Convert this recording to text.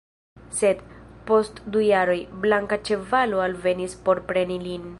Sed, post du jaroj, blanka ĉevalo alvenis por preni lin.